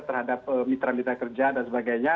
terhadap mitra mitra kerja dan sebagainya